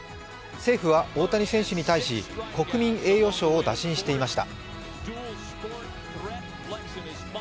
政府は大谷選手に対し、国民栄誉賞を打診していました。